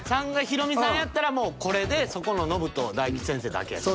３がヒロミさんやったらもうこれでそこのノブと大吉先生だけ。